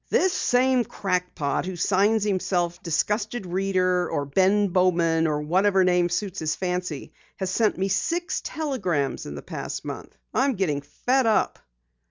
"This same crack pot who signs himself 'Disgusted Reader' or 'Ben Bowman,' or whatever name suits his fancy, has sent me six telegrams in the past month! I'm getting fed up!"